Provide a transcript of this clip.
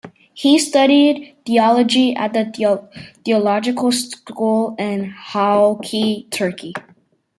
He studied theology at the Theological School in Halki, Turkey.